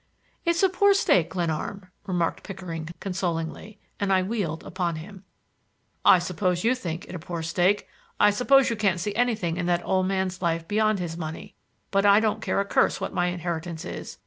"It's a poor stake, Glenarm," remarked Pickering consolingly, and I wheeled upon him. "I suppose you think it a poor stake! I suppose you can't see anything in that old man's life beyond his money; but I don't care a curse what my inheritance is!